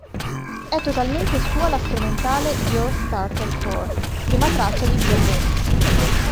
È totalmente sua la strumentale "Your Starter For...", prima traccia di "Blue Moves".